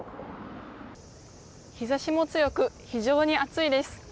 日差しも強く非常に暑いです。